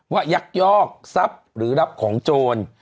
ยักยอกทรัพย์หรือรับของโจร